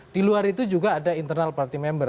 di luar itu juga ada internal party member